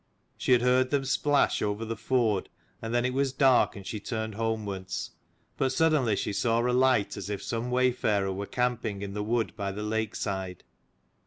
She had heard them splash over the ford, and then it was dark and she turned homewards. But suddenly she saw a light, as if some wayfarer were camping in the wood by the lake side.